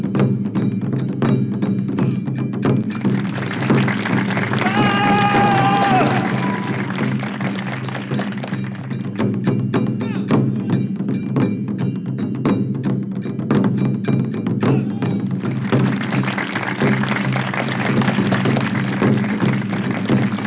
ดารามหาสนุกคิดว่าใครคือนักเพาะกายตัวจริง